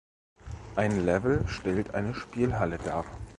Ein Level stellt eine Spielhalle dar.